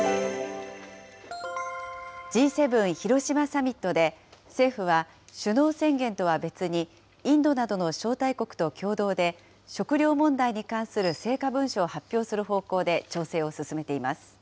Ｇ７広島サミットで、政府は首脳宣言とは別に、インドなどの招待国と共同で、食料問題に関する成果文書を発表する方向で調整を進めています。